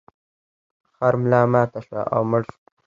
خر ملا ماته شوه او مړ شو.